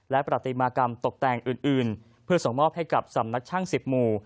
และประติมากรรมตกแต่งอื่นเพื่อส่งมอบให้กับสำนักช่าง๑๐หมู่